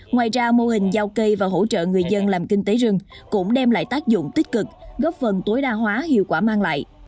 ngoài ra mô hình giao cây và hỗ trợ người dân làm kinh tế rừng cũng đem lại tác dụng tích cực góp phần tối đa hóa hiệu quả mang lại